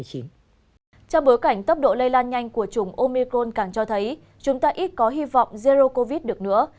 trong bối cảnh tốc độ lây lan nhanh của chủng omicron càng cho thấy chúng ta ít có hy vọng zero covid được nữa